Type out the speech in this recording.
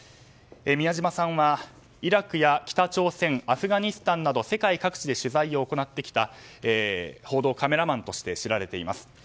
宮嶋さんはイラクや北朝鮮アフガニスタンなど世界各地で取材を行ってきた報道カメラマンとして知られています。